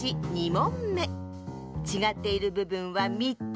もんめちがっているぶぶんは３つ。